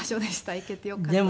行けてよかったです。